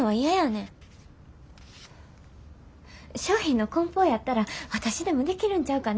商品のこん包やったら私でもできるんちゃうかな？